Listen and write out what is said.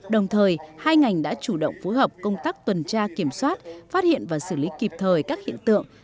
đồng thời hai ngành đã chủ động phối hợp công tác tuần tra kiểm soát phát hiện và xử lý kịp thời các hiện tượng